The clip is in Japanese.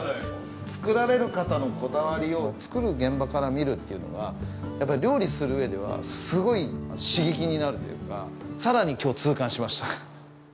作られる方のこだわりを作る現場から見るっていうのはやっぱり料理する上ではすごい刺激になるというかさらに今日痛感しました。